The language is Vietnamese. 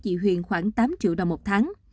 chị huyền khoảng tám triệu đồng một tháng